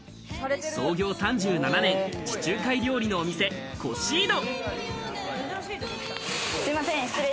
創業３７年、地中海料理のお店、コシード。